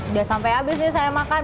udah sampai habis nih saya makan